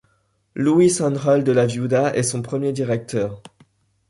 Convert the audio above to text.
Luís Ángel de la Viuda est son premier directeur.